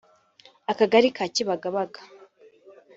Akagali ka Kibagabaga